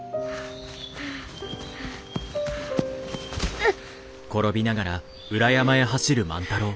うっ。